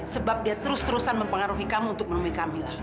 sebab dia terus terusan mempengaruhi kamu untuk menemui kamila